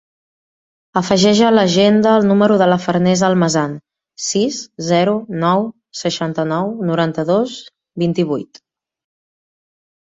Afegeix a l'agenda el número de la Farners Almazan: sis, zero, nou, seixanta-nou, noranta-dos, vint-i-vuit.